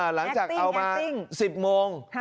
หลังจากเอามา๑๐โมง